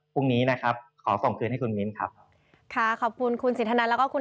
พุ่งนี้นะครับขอส่งเครื่องให้คุณค่ะค่ะขอบคุณคุณศิษฐนัสแล้วก็คุณ